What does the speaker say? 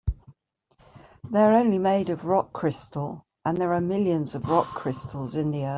They're only made of rock crystal, and there are millions of rock crystals in the earth.